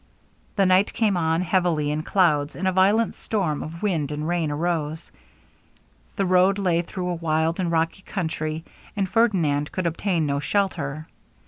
The night came on heavily in clouds, and a violent storm of wind and rain arose. The road lay through a wild and rocky country, and Ferdinand could obtain no shelter.